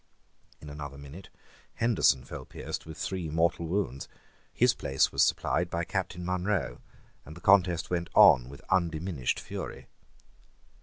In another minute Henderson fell pierced with three mortal wounds. His place was supplied by Captain Munro, and the contest went on with undiminished fury.